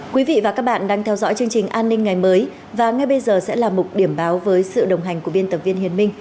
quý vị và các bạn đang theo dõi chương trình an ninh ngày mới và ngay bây giờ sẽ là mục điểm báo với sự đồng hành của biên tập viên hiền minh